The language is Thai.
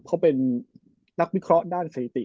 เขาเป็นนักวิเคราะห์ด้านเศรษฐี